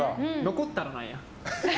残ったらなんや。